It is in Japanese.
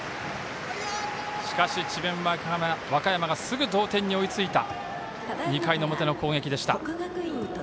しかし、智弁和歌山がすぐ同点に追いついた２回の表の攻撃でした。